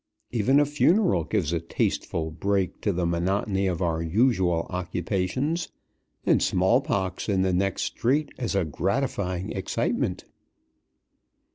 Even a funeral gives a tasteful break to the monotony of our usual occupations, and small pox in the next street is a gratifying excitement.